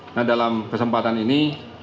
nah dalam kesempatan ini